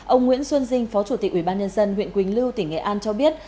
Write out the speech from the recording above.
ông nguyễn xuân dinh phó chủ tịch ubnd huyện quỳnh lưu tỉnh nghệ an cho biết